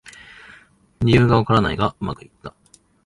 理由がわからないがうまくいった